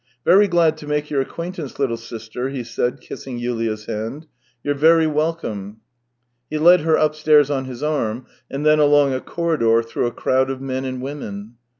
" Very glad to make your acquaintance, little sister," he said, kissing Yulia's hand. " You're very welcome." He led her upstairs on his arm, and then along a corridor through a crowd of men and women.